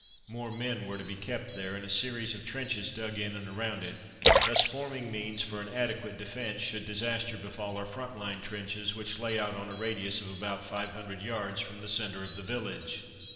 More men were to be kept there, and a series of trenches dug in and around it, thus forming means for an adequate defence should disaster befall our front line trenches, which lay out on a radius of about five hundred yards from the centre of the village.